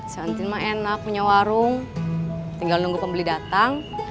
santri mah enak punya warung tinggal nunggu pembeli datang